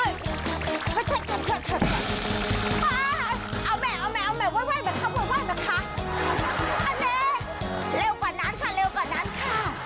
เอาแหม่ไว้นะคะเร็วก่อนนั้นค่ะ